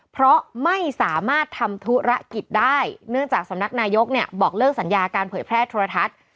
เพราะไม่สามารถทำธุรกิจได้เนื่องจากสำนักนายกเนี่ยบอกเลิกสัญญาการเผยแพร่โทรทัศน์